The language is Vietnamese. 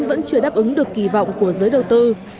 vẫn chưa đáp ứng được kỳ vọng của giới đầu tư